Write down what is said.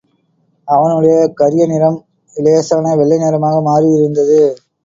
அவனுடைய கரியநிறம் இலேசான வெள்ளை நிறமாக மாறியிருந்தது.